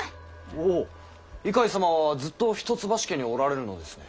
お猪飼様はずっと一橋家におられるのですね。